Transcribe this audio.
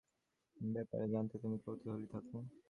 দেখো ভাগ্নে, আমি জানি সবকিছুর ব্যাপারে জানতে তুমি কৌতুহলী থাকো।